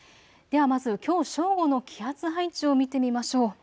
ではまずきょう正午の気圧配置を見てみましょう。